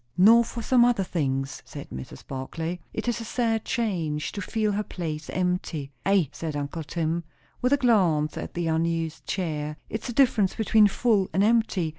"Nor for some other things," said Mrs. Barclay. "It is a sad change to feel her place empty." "Ay," said uncle Tim, with a glance at the unused chair, "it's the difference between full and empty.